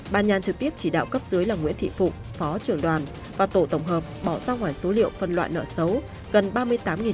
bà nhàn trực tiếp chỉ đạo cấp dưới là nguyễn thị phụng phó trưởng đoàn và tổ tổng hợp bỏ ra ngoài số liệu phân loại nợ xấu gần ba mươi tám tỷ